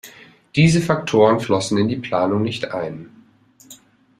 Diese Faktoren flossen in die Planung nicht ein.